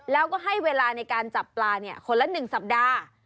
แล้วก็ให้เวลาในการจับปลาคนละ๑สัปดาห์